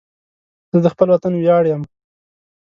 زه د خپل وطن ویاړ یم